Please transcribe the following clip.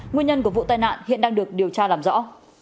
nguyên nhân của vụ tai nạn hiện đang được điều tra làm rõ